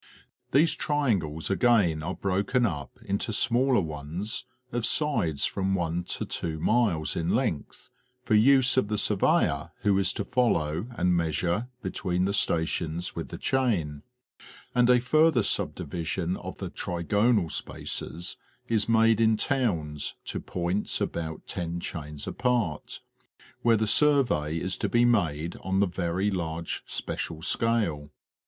These triangles again are broken up into smaller ones of sides from one to two miles in length, for the use of the surveyor who is to follow and measure between the stations with the chain ; and a further subdivision of the trigonal spaces is made in towns to points about 10 chains apart, where the survey is to be made on the very large special scale.